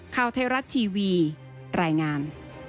ข่าวเทราะทร์ทีวีรายงาน